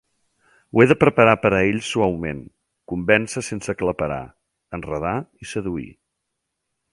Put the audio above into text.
Ho he de preparar per a ells suaument, convèncer sense aclaparar, enredar i seduir.